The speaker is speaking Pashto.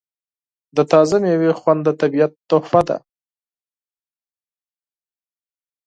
د تازه میوې خوند د طبیعت تحفه ده.